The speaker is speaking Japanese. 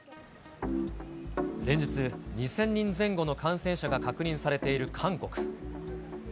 連日、２０００人前後の感染者が確認されている韓国。